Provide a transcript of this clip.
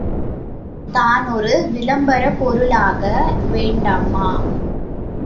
தான் ஒரு விளம்பரப்பொருளாக வேண்டாமா?